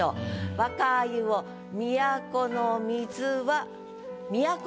「若鮎を都の水は」